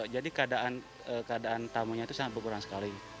keadaan tamunya itu sangat berkurang sekali